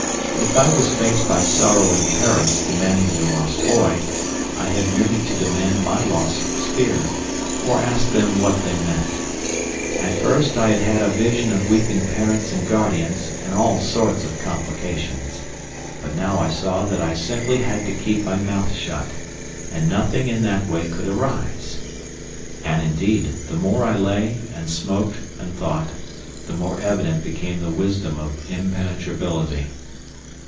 If I was faced by sorrowing parents demanding their lost boy, I had merely to demand my lost sphere—or ask them what they meant. At first I had had a vision of weeping parents and guardians, and all sorts of complications; but now I saw that I simply had to keep my mouth shut, and nothing in that way could arise. And, indeed, the more I lay and smoked and thought, the more evident became the wisdom of impenetrability.